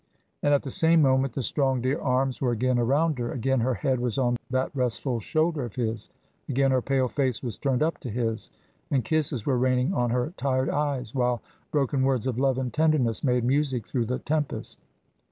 And at the same moment the strong dear arms were again around her, again her head was on that restful shoulder of his, again her pale face was turned up to his, and kisses were raining on her tired eyes, while broken words of love and tenderness made music through the tempest.